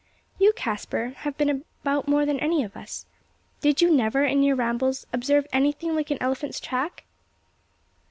You, Caspar, have been about more than any of us. Did you never, in your rambles, observe anything like an elephant's track?"